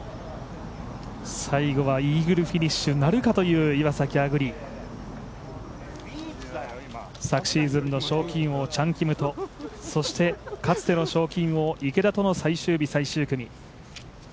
最後は、イーグルフィニッシュなるかという岩崎亜久竜。昨シーズンの賞金王チャン・キムとそして、かつての賞金王池田との最終日最終組。